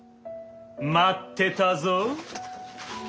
待ってたぞ。